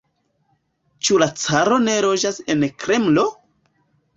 Ĉu la caro ne loĝas en Kremlo?